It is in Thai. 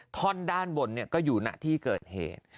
ท่อนด้านบนก็อยู่ณที่เกิดเหตุ